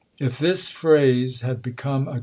If this phrase had become a isei.